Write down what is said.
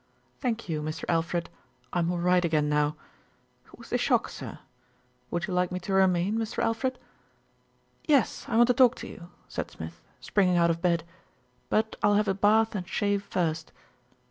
"Thank you, Mr. Alfred, I'm all right again now. It was the shock, sir. Would you like me to remain, Mr. Alfred?" "Yes, I want to talk to you," said Smith, springing out of bed ; "but I'll have a bath and shave first.